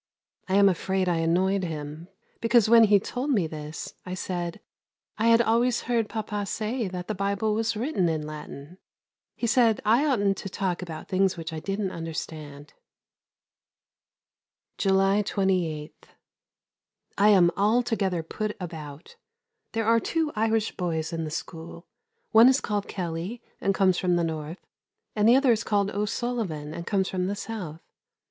I am afraid I annoyed him; because when he told me this, I said I had always heard Papa say that the Bible was written in Latin. He said I oughtn't to talk about things which I didn't understand. July 28. I am altogether put about. There are two Irish boys in the school; one is called Kelley and comes from the North, and the other is called O'Sullivan and comes from the South.